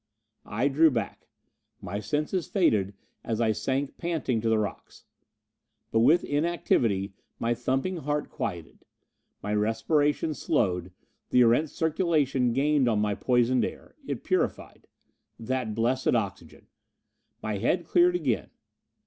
I drew back. My senses faded as I sank panting to the rocks. But with inactivity, my thumping heart quieted. My respirations slowed. The Erentz circulation gained on my poisoned air. It purified. That blessed oxygen! My head cleared again.